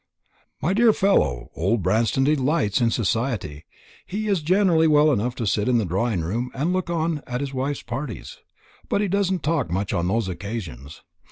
"My dear fellow, old Branston delights in society. He is generally well enough to sit in the drawing room and look on at his wife's parties. He doesn't talk much on those occasions.